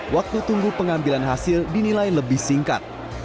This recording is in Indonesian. waktu tunggu pengambilan hasil dinilai lebih singkat